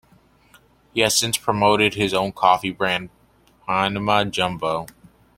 He has since promoted his own coffee brand PanamaJumbo.